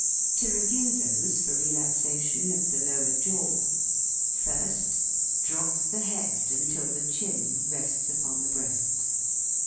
To review those for relaxation of the lower jaw: First. Drop the head until the chin rests upon the breast.